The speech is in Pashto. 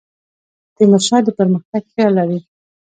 تیمور شاه د پرمختګ خیال لري.